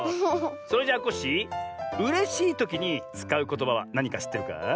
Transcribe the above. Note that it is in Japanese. それじゃコッシーうれしいときにつかうことばはなにかしってるか？